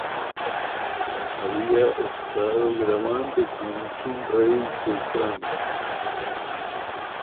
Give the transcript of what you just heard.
Había estado grabando con Sun Ra y Coltrane...